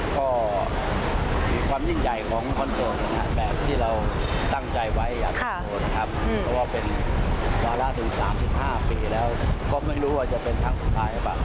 ก็มีความยิ่งใหญ่ของคอนเสิร์ตนะฮะแบบที่เราตั้งใจไว้อยากจะโชว์นะครับเพราะว่าเป็นวาระถึง๓๕ปีแล้วก็ไม่รู้ว่าจะเป็นครั้งสุดท้ายหรือเปล่า